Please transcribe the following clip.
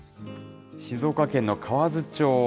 静岡県の河津町。